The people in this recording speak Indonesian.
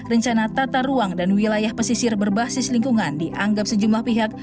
rencana tata ruang dan wilayah pesisir berbasis lingkungan dianggap sejumlah pihak